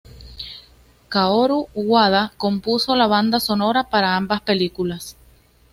Kaoru Wada compuso la banda sonora para ambas películas.